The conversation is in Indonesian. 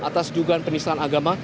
atas juga penisahan agama